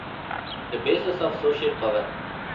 The bases of social power.